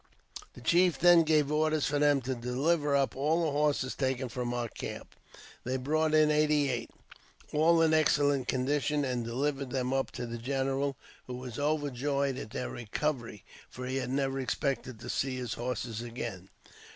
The chief then gave orders for them to deliver up all the horses taken from our camp. They brought in eighty eight — all in excellent condition — and dehvered them up to the general, who was overjoyed at their recovery, for he had never expected to see his horses again.